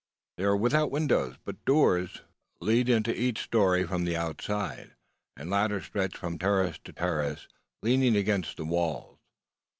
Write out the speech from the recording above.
They are without windows, but doors lead into each story from the outside; and ladders stretch from terrace to terrace, leaning against the walls.